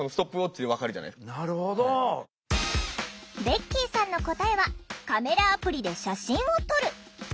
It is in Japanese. ベッキーさんの答えは「カメラアプリで写真を撮る」。